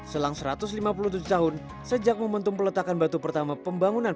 selang satu ratus lima puluh tujuh tahun sejak momentum peletakan batu pertama pembangunan